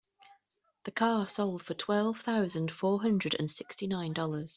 The car sold for twelve thousand four hundred and sixty nine dollars.